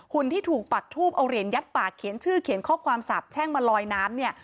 ที่ถูกปักทูบเอาเหรียญยัดปากเขียนชื่อเขียนข้อความสาบแช่งมาลอยน้ำเนี่ย